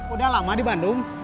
udah lama di bandung